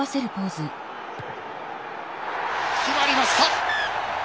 決まりました！